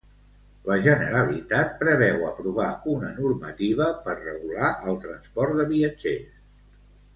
La Generalitat preveu aprovar una normativa per regular el transport de viatgers.